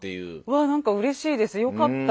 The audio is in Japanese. わあなんかうれしいですよかった！